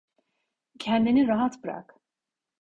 Kendini rahat bırak.